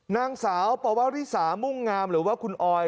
นางสาวปวริสามุ่งงามหรือว่าคุณออย